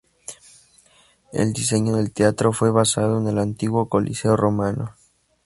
El diseño del teatro fue basado en el antiguo coliseo romano.